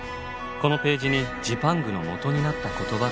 このページに「ジパング」の元になった言葉が書かれています。